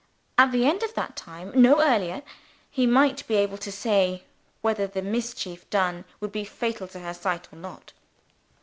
At the end of that time no earlier he might be able to say whether the mischief done would be fatal to her sight or not.